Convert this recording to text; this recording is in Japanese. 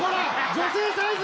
女性サイズ！